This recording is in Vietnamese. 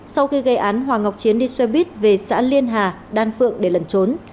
sau khi gây án hoàng ngọc chiến đi xe buýt về xã liên hà đan phượng để lẩn trốn